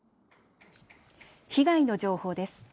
被害の情報です。